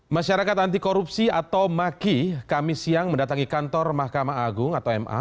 masyarakat anti korupsi atau maki kami siang mendatangi kantor mahkamah agung atau ma